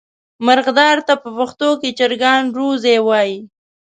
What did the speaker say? مرغدار ته په پښتو کې چرګان روزی وایي.